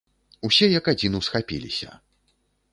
Усе як адзін усхапіліся.